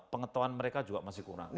pengetahuan mereka juga masih kurang